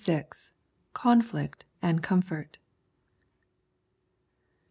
CONFLICT AND COMFORT.